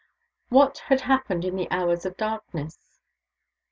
WHAT had happened in the hours of darkness?